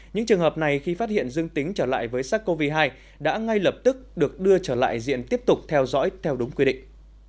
những trường hợp này khi phát hiện dương tính trở lại với sars cov hai đã ngay lập tức được đưa trở lại diện tiếp tục theo dõi theo đúng quy định